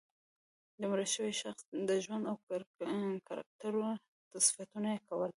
د مړه شوي شخص د ژوند او کرکټر صفتونه یې کول.